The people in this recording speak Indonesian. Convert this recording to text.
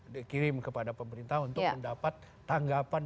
dikirim kepada pemerintah untuk mendapat tanggapan